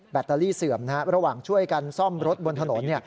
ตเตอรี่เสื่อมระหว่างช่วยกันซ่อมรถบนถนน